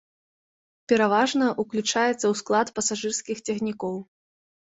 Пераважна, уключаецца ў склад пасажырскіх цягнікоў.